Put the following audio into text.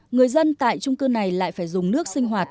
người dân tại trung cư này lại phải dùng nước sinh hoạt